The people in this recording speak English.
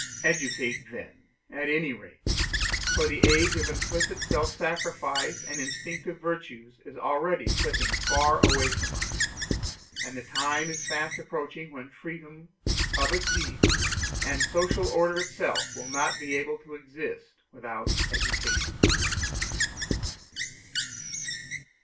Educate, then, at any rate; for the age of implicit self sacrifice and instinctive virtues is already flitting far away from us, and the time is fast approaching when freedom, public peace, and social order itself will not be able to exist without education.